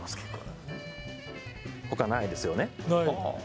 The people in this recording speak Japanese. ほか、ないですよね。